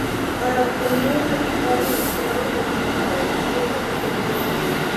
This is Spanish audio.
Para obtener el resultado deseado se utiliza el siguiente procedimiento.